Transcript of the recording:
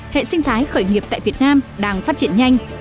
hệ sinh thái khởi nghiệp tại việt nam đang phát triển nhanh